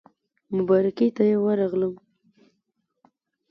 مبارکۍ ته یې ورغلم.